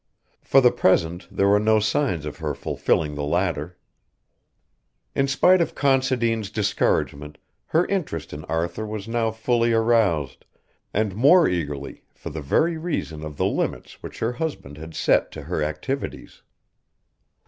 For the present there were no signs of her fulfilling the latter. In spite of Considine's discouragement her interest in Arthur was now fully aroused, and more eagerly for the very reason of the limits which her husband had set to her activities.